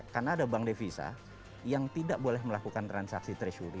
karena ada bank devisa yang tidak boleh melakukan transaksi treasury